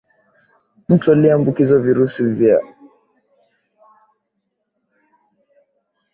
mtu aliyeambukizwa virusi hivyo hatakiwi kumuongezea mtu damu